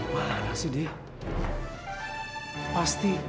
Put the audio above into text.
mana sih dia